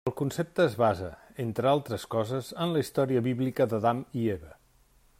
El concepte es basa, entre altres coses, en la història bíblica d'Adam i Eva.